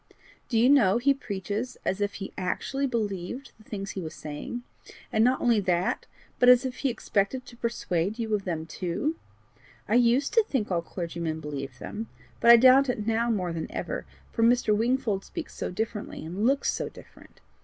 Do you know he preaches as if he actually believed the things he was saying, and not only that, but as if he expected to persuade you of them too! I USED to think all clergymen believed them, but I doubt it now more than ever, for Mr. Wingfold speaks so differently and looks so different.